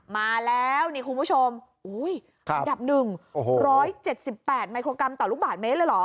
มาแล้วนี่คุณผู้ชมอันดับ๑๗๘มิโครกรัมต่อลูกบาทเมตรเลยเหรอ